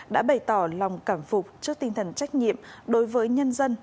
đã bày tỏ lòng cảm phục trước tinh thần trách nhiệm đối với nhân dân